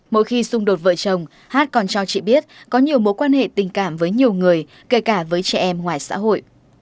mỗi khi xung đột vợ chồng hát còn cho chị biết có nhiều mối quan hệ tình cảm với nhiều người kể cả với trẻ em ngoài xã hội